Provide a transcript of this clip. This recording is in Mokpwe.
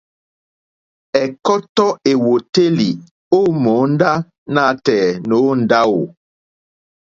Ɛ̀kɔ́tɔ́ èwòtélì ó mòóndá nǎtɛ̀ɛ̀ nǒ ndáwù.